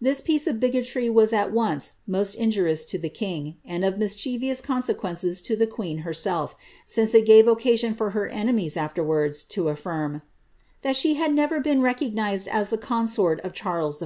This piece of bigotry was at once most injurious to the king, and of mischievous consequences to the queen herself, since it gave occasion for her enemies afterwards to affirm ^' that she had never been recognised as the consort of Chariei J.''